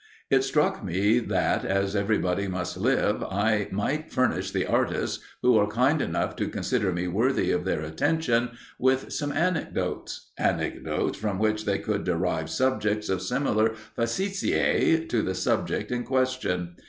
It struck me that, as everybody must live, I might furnish the artists, who are kind enough to consider me worthy of their attention, with some anecdotes anecdotes from which they could derive subjects of similar facetiæ to the subject in question.